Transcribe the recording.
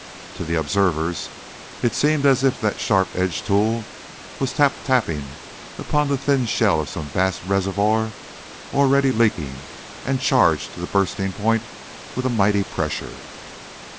To the observers it seemed as if that sharp edged tool was tap tapping upon the thin shell of some vast reservoir already leaking and charged to the bursting point with a mighty pressure.